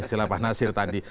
istilah pak nasir tadi